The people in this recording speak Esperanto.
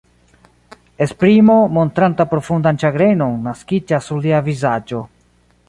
Esprimo, montranta profundan ĉagrenon, naskiĝas sur lia vizaĝo.